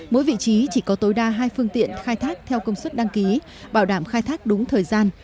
mỗi vị trí chỉ có tối đa hai phương tiện khai thác theo công suất đăng ký bảo đảm khai thác đúng thời gian